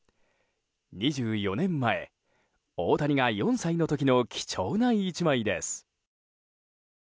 ２４年前、大谷が４歳の時の貴重な１枚です。